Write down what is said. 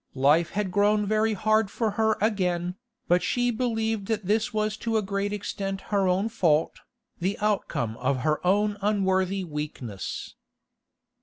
Life had grown very hard for her again, but she believed that this was to a great extent her own fault, the outcome of her own unworthy weakness.